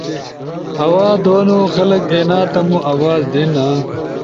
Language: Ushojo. آواز دونو، خلگ اینا تم آواز دینا۔